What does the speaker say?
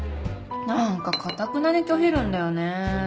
何かかたくなに拒否るんだよね。